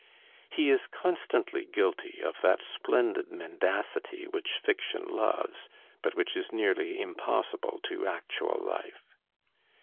He is constantly guilty of that splendid mendacity which fiction loves, but which is nearly impossible to actual life.